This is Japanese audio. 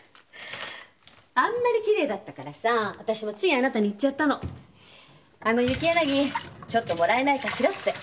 あんまりきれいだったからさ私もついあなたに言っちゃったのあのユキヤナギちょっともらえないかしらって。